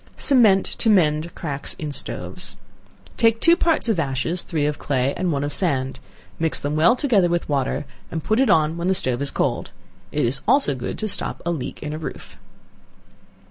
Cement to Mend Cracks in Stoves. Take two parts of ashes, three of clay, and one of sand; mix them well together with water, and put it on when the stove is cold. It is also good to stop a leak in a roof.